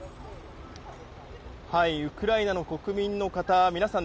ウクライナの国民の方、皆さん